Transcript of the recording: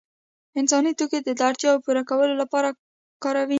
انسان توکي د اړتیاوو پوره کولو لپاره کاروي.